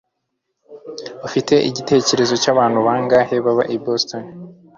Ufite igitekerezo cyabantu bangahe baba i Boston